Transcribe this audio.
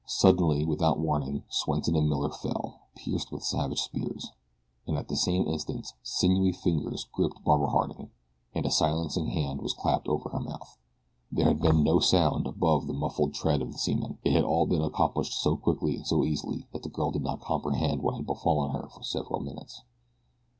Suddenly, without warning, Swenson and Miller fell, pierced with savage spears, and at the same instant sinewy fingers gripped Barbara Harding, and a silencing hand was clapped over her mouth. There had been no sound above the muffled tread of the seamen. It had all been accomplished so quickly and so easily that the girl did not comprehend what had befallen her for several minutes.